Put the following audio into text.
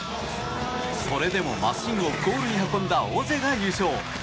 それでもマシンをゴールに運んだオジェが優勝。